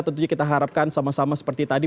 tentunya kita harapkan sama sama seperti tadi